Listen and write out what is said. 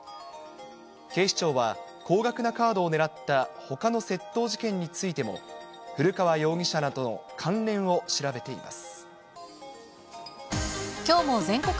警視庁は高額なカードを狙ったほかの窃盗事件についても、古川容疑者らとの関連を調べています。